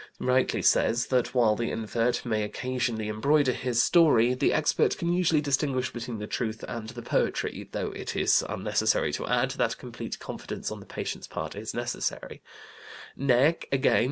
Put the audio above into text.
611) rightly says that while the invert may occasionally embroider his story, "the expert can usually distinguish between the truth and the poetry, though it is unnecessary to add that complete confidence on the patient's part is necessary," Näcke, again (Sexual Probleme, September, 1911, p.